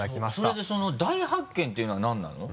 それでその大発見っていうのは何なの？